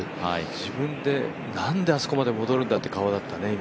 自分でなんであそこまで戻るんだっていう顔だったよね、今。